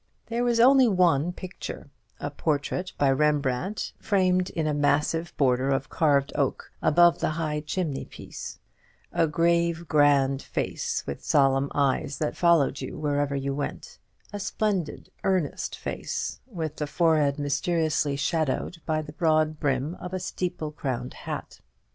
There was only one picture a portrait by Rembrandt, framed in a massive border of carved oak above the high chimney piece; a grave grand face, with solemn eyes that followed you wherever you went; a splendid earnest face, with the forehead mysteriously shadowed by the broad brim of a steeple crowned hat.